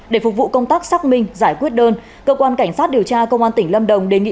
để phục vụ công tác xác minh giải quyết đơn cơ quan cảnh sát điều tra công an tỉnh lâm đồng đề nghị